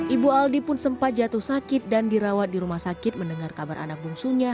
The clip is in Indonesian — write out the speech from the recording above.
ibu aldi pun sempat jatuh sakit dan dirawat di rumah sakit mendengar kabar anak bungsunya